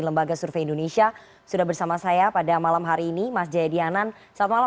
lembaga survei indonesia sudah bersama saya pada malam hari ini mas jaya dianan selamat malam